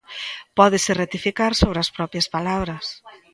Pódese rectificar sobre as propias palabras.